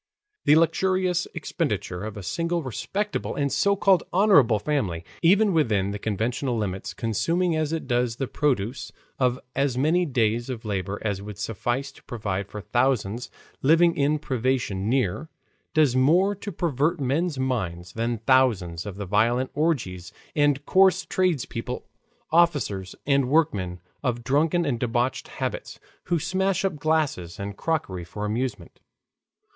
The luxurious expenditure of a single respectable and so called honorable family, even within the conventional limits, consuming as it does the produce of as many days of labor as would suffice to provide for thousands living in privation near, does more to pervert men's minds than thousands of the violent orgies of coarse tradespeople, officers, and workmen of drunken and debauched habits, who smash up glasses and crockery for amusement.